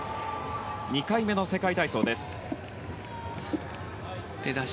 ２回目の世界体操です。